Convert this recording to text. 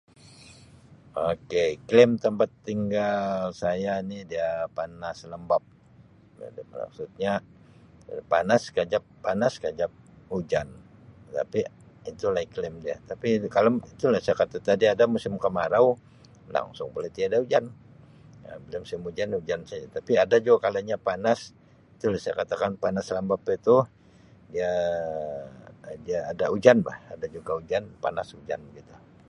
Ok iklim tempat tinggal saya ni dia panas lembap jadi maksudnya panas sekejap panas sekejap hujan tapi itulah iklim dia tapi kalau itu lah saya kata tadi ada musim kemarau langsung pula tiada hujan bila musim hujan hujan saja tapi ada juga kalanya panas tu lah saya katakan panas lembap itu dia -dia ada hujan bah ada juga hujan panas hujan gitu.